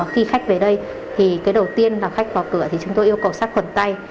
khi khách về đây đầu tiên là khách vào cửa chúng tôi yêu cầu sát khuẩn tay